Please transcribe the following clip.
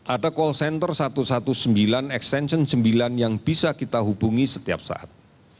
ada call center satu ratus sembilan belas extension sembilan yang bisa kita hubungi setiap saat